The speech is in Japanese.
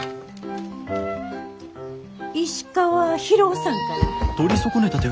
石川博夫さんから。